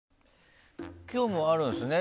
今日もあるんですね。